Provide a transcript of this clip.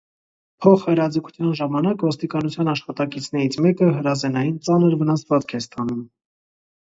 Փոխրաձգության ժամանակ ոստիկանության աշխատակիցներից մեկը հրազենային ծանր վնասվածք է ստանում։